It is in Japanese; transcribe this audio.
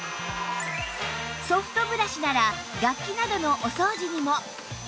ソフトブラシなら楽器などのお掃除にも